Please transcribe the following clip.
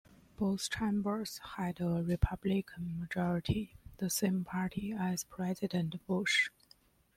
Both chambers had a Republican majority, the same party as President Bush.